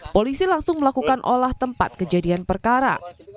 polisi langsung melakukan olah tempat kejadian perkara